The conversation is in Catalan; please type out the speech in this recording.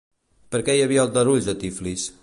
Per què hi havia aldarulls a Tiflis?